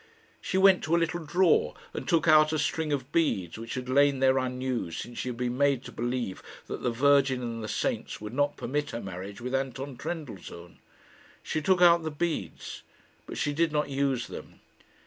She went to a little drawer and took out a string of beads which had lain there unused since she had been made to believe that the Virgin and the saints would not permit her marriage with Anton Trendellsohn. She took out the beads but she did not use them.